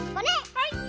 はい。